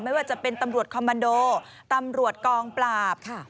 ไม่ว่าจะเป็นตำรวจคอมมันโดตำรวจกองปราบค่ะ